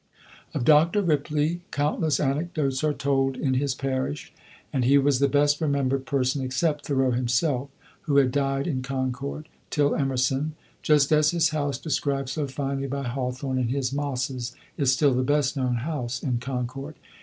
Of Dr. Ripley countless anecdotes are told in his parish, and he was the best remembered person, except Thoreau himself, who had died in Concord, till Emerson; just as his house, described so finely by Hawthorne in his "Mosses," is still the best known house in Concord.